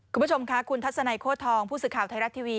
คุณผู้ชมค่ะคุณทัศนัยโค้ทองผู้สื่อข่าวไทยรัฐทีวี